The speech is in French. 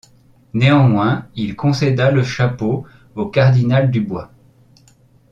Néanmoins, il concéda le chapeau au cardinal Dubois.